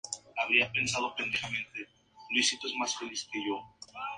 La policía científica anunció en abril que el incendio había sido provocado por alguien.